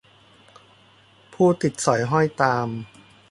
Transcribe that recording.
ผู้ติดสอยห้อยตาม